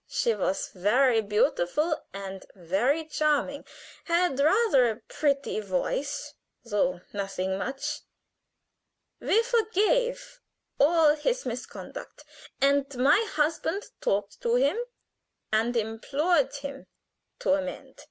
She was very beautiful and very charming had rather a pretty voice, though nothing much. We forgave all his misconduct, and my husband talked to him and implored him to amend.